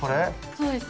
そうです。